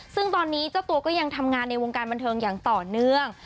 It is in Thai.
ซึ่งตอนนี้เจ้าตัวก็ยังทำงานในวงการบันเทิงอย่างต่อเนื่อง